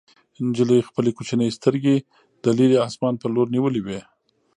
نجلۍ خپلې کوچنۍ سترګې د لیرې اسمان په لور نیولې وې.